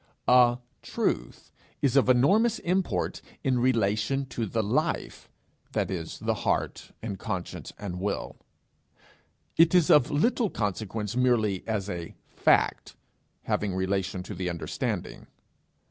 A truth is of enormous import in relation to the life that is the heart, and conscience, and will; it is of little consequence merely as a fact having relation to the understanding.